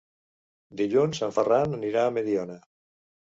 Dilluns en Ferran anirà a Mediona.